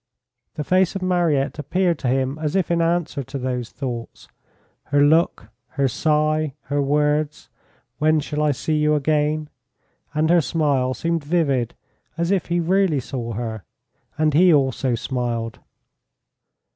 The face of Mariette appeared to him as if in answer to those thoughts her look, her sigh, her words, "When shall I see you again?" and her smile seemed vivid as if he really saw her, and he also smiled.